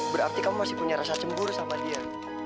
berarti kamu masih punya rasa cembur sama dia